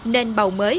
nên bầu mới